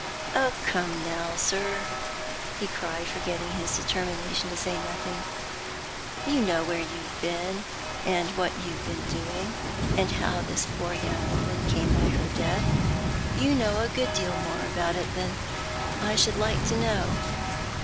" Oh, come now, sir," he cried, forgetting his determination to say nothing, " you know where you've been, and what you've been doing, and how this poor young woman came by her death. You know a good deal more about it than I should like to know.